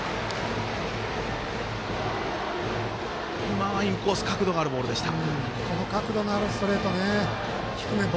今はインコース角度のあるボールでした。